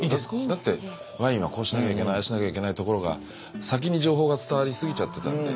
だってワインはこうしなきゃいけないああしなきゃいけないところが先に情報が伝わりすぎちゃってたんで。